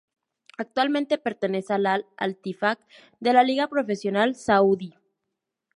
Actualmente pertenece al Al-Ettifaq de la Liga Profesional Saudí.